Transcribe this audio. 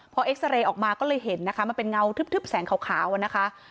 พอเอ็กซาเรย์ออกมาก็เลยเห็นนะคะมันเป็นเงาทึบแสงขาวนะคะ